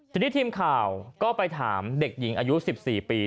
ทีนี้ทีมข่าวก็ไปถามเด็กหญิงอายุ๑๔ปี